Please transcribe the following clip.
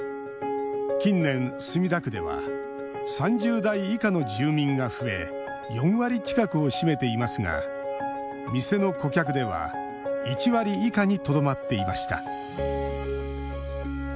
近年、墨田区では３０代以下の住民が増え４割近くを占めていますが店の顧客では１割以下にとどまっていました。